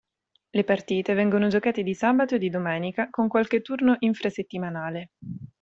Le partite vengono giocate di sabato e di domenica, con qualche turno infrasettimanale.